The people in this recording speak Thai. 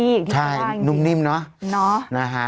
ที่กล้ายกล้าอยู่ที่นี้อ่ะใช่นุ่มนิ่มเนอะ